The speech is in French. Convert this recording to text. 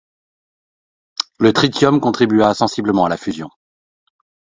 Le tritium contribua sensiblement à la fusion.